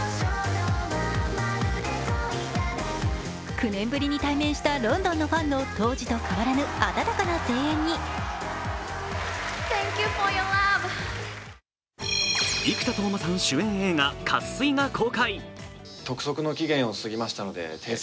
９年ぶりに対面したロンドンのファンの当時と変わらぬ温かな声援に生田斗真さん主演映画「渇水」が公開。